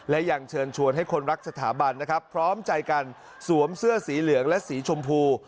และยังเชิญชวนให้คนรักสถาบันนะครับพร้อมใจกันสวมเสื้อสีเหลืองและสีชมพู